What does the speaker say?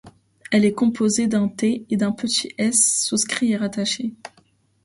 Elle est composée d’un té et d’un petit esse souscrit et rattaché.